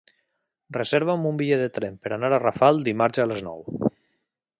Reserva'm un bitllet de tren per anar a Rafal dimarts a les nou.